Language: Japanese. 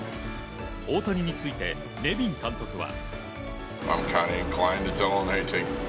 大谷について、ネビン監督は。